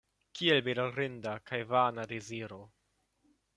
Kiel bedaŭrinda kaj vana deziro!